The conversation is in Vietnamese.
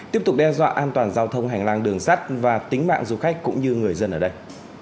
tiếp tục đe dọa an toàn giao thông hành lang đường sắt và tính mạng du khách cũng như người dân ở đây